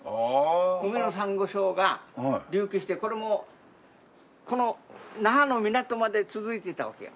海のサンゴ礁が隆起してこれも那覇の港まで続いてたわけよ。